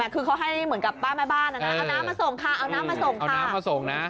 คือเขาให้เหมือนกับป้าแม่บ้านนะเอาน้ำมาส่งค่ะ